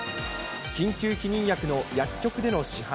緊急避妊薬の薬局での市販。